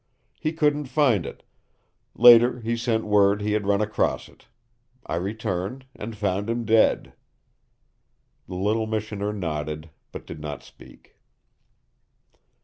He couldn't find it. Later he sent word he had run across it. I returned and found him dead." The little missioner nodded, but did not speak.